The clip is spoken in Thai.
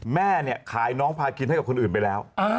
แม่เนี่ยขายน้องพาคินให้กับคนอื่นไปแล้ว